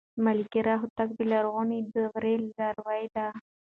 ملکیار هوتک د لرغونې دورې لاروی دی.